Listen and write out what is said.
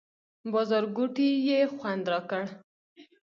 بازارګوټي یې خوند راکړ.